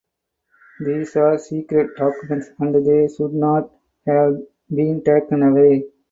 These are secret documents and they should not have been taken away.